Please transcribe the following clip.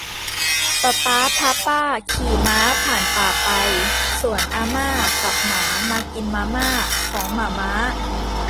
ปะป๊าพาป้าขี่ม้าผ่านป่าไป ส่วนอาม่ากับหมามากินมาม่าของหม่าม้า